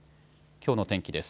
きょうの天気です。